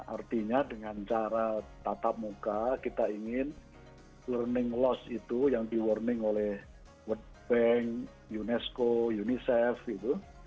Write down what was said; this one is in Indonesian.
artinya dengan cara tatap muka kita ingin learning loss itu yang di warning oleh world bank unesco unicef gitu